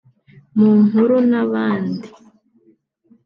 mu nkuru n’ahandi